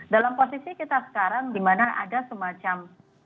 dalam posisi kita sekarang di mana ada semacam